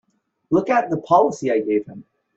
Look at the policy I gave him!